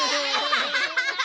アハハハハ！